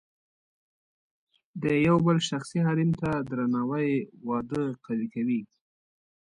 د یو بل شخصي حریم ته درناوی واده قوي کوي.